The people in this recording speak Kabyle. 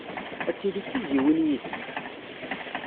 Ad tili d tizzyiwin yid-i.